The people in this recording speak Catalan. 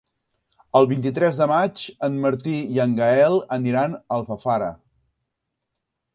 El vint-i-tres de maig en Martí i en Gaël aniran a Alfafara.